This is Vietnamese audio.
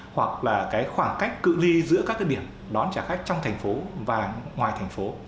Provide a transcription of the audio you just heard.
hoặc là cái khoảng cách cự li giữa các cái điểm đón trả khách trong thành phố và ngoài thành phố